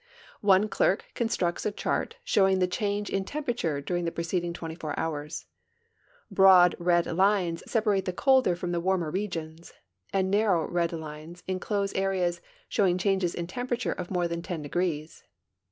One clerk constructs a chart showing the change in temperature during the preceding 24 hours. Broad, red lines separate the colder from the warmer regions, and narrow red lines inclose areas showing changes in temperature of more than 10 degrees.